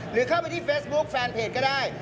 หรือเข้าไปที่เฟซบุ๊คแฟนเพจก็ได้